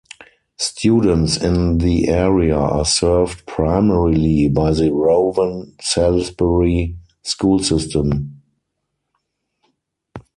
Students in the area are served primarily by the Rowan-Salisbury School System.